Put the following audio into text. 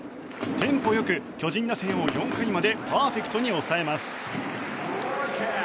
テンポ良く巨人打線を４回までパーフェクトに抑えます。